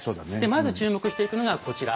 まず注目していくのがこちら。